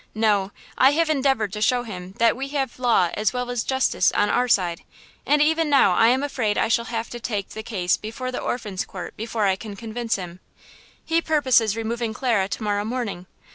No, I have endeavored to show him that we have law as well as justice on our side, and even now I am afraid I shall have to take the case before the Orphans' Court before I can convince him. He purposes removing Clara to morrow morning.